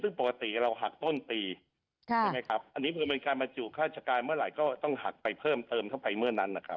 ซึ่งปกติเราหักต้นปีใช่ไหมครับอันนี้เพื่อเป็นการบรรจุฆาตการเมื่อไหร่ก็ต้องหักไปเพิ่มเติมเข้าไปเมื่อนั้นนะครับ